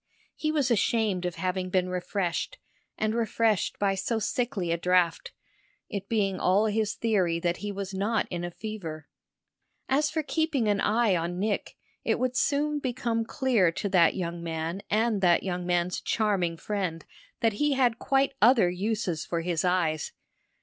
He was ashamed of having been refreshed, and refreshed by so sickly a draught it being all his theory that he was not in a fever. As for keeping an eye on Nick, it would soon become clear to that young man and that young man's charming friend that he had quite other uses for his eyes.